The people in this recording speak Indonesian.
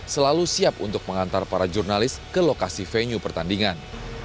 selalu siap untuk mengantar para jurnalis ke lokasi venue pertandingan